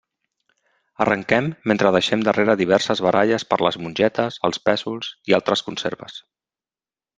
Arrenquem mentre deixem darrere diverses baralles per les mongetes, els pèsols i altres conserves.